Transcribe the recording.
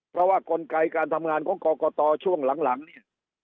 เพราะว่ากลไกการทำงานของกรกตช่วงหลังเนี่ย